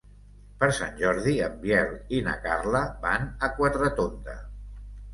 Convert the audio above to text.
Per Sant Jordi en Biel i na Carla van a Quatretonda.